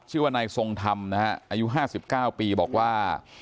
ชื่อว่าในทรงธรรมนะฮะอายุห้าสิบเก้าปีบอกว่า